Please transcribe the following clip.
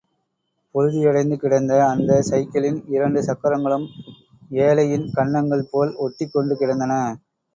புழுதியடைந்து கிடந்த அந்த சைக்கிளின் இரண்டு சக்கரங்களும் ஏழையின் கன்னங்கள் போல் ஒட்டிக் கொண்டு கிடந்தன.